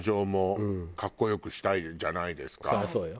そりゃそうよ。